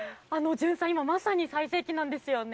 ジュンサイ、今まさに最盛期なんですよね。